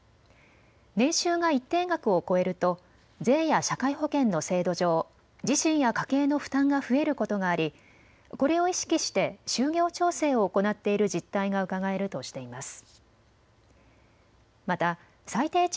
年収が一定額を超えると税や社会保険の制度上、自身や家計の負担が増えることがありこれを意識して就業調整を行っている実態がうかがえるとしています。